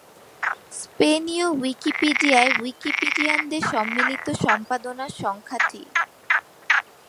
স্পেনীয় উইকিপিডিয়ায় উইকিপিডিয়ানদের সম্মিলিত সম্পাদনার সংখ্যা টি।